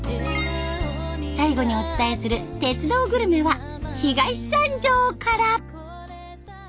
最後にお伝えする「鉄道グルメ」は東三条から！